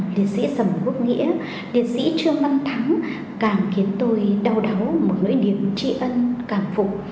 liệt sĩ sầm quốc nghĩa liệt sĩ trương văn thắng càng khiến tôi đau đáu mở nơi niềm trị ân cảm phục